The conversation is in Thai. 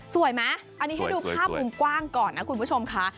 ไหมอันนี้ให้ดูภาพมุมกว้างก่อนนะคุณผู้ชมค่ะ